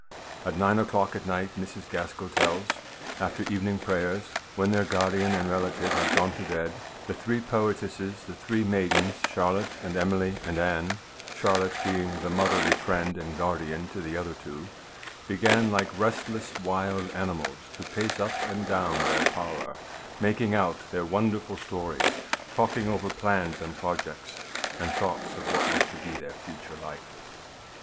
At nine o'clock at night, Mrs. Gaskell tells, after evening prayers, when their guardian and relative had gone to bed, the three poetesses the three maidens, Char lotte, and Emily, and Anne Charlotte being the " motherly friend and guardian to the other two "" began, like restless wild animals, to pace up and down their parlor, ' making out ' their wonderful stories, talking over plans and projects, and thoughts of what was to be their future life."